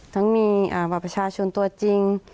บัตรประชาชนตัวจริง